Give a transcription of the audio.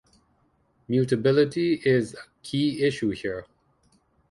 Mutability is a key issue here.